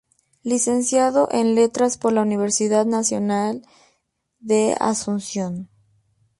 Licenciado en Letras por la Universidad Nacional de Asunción.